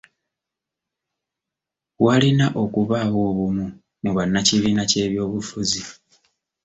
Walina okubaawo obumu mu bannakibiina ky'ebyobufuzi.